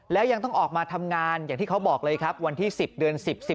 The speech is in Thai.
แล้วยังต้องออกมาทำงานอย่างที่เขาบอกเลยครับวันที่๑๐เดือน๑๐